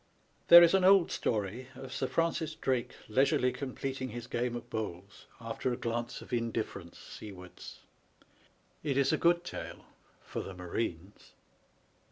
There is an old story of Sir Francis Drake leisurely completing his game of bowls, after a glance of indifference seawards. It is a good tale for the marines.